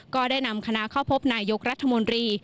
ก็ได้นำคณะเข้าพบนายยกรัฐมนตรี